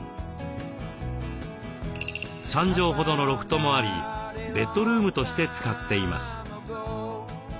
３畳ほどのロフトもありベッドルームとして使っています。